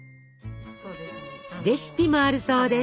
レシピもあるそうです。